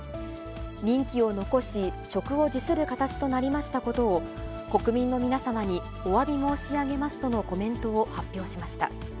任期を残し、職を辞する形となりましたことを、国民の皆様におわび申し上げますとのコメントを発表しました。